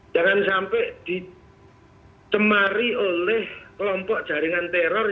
jangan sampai dicemari oleh kelompok jaringan teror